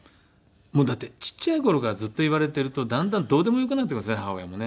もうだってちっちゃい頃からずっと言われてるとだんだんどうでもよくなってくるんですね母親もね。